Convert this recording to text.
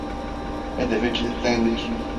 Hedefe kilitlendik.